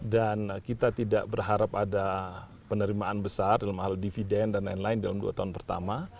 dan kita tidak berharap ada penerimaan besar dalam hal dividen dan lain lain dalam dua tahun pertama